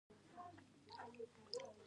افغانستان کې د خاوره د پرمختګ هڅې روانې دي.